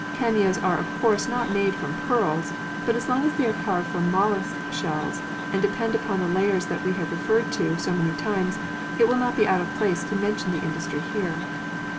Cameos are of course not made from pearls, but as they are carved from mollusc shells and depend upon the layers that we have referred to so many times, it will not be out of place to mention the industry here.